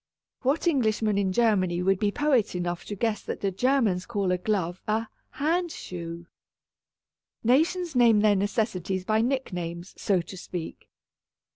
What Englishman in Ger ["4] A Tragedy of Twopence many would be poet enough to guess that the Germans call a glove a " hand shoe" ? Nations name their necessities by nick names, so to speak.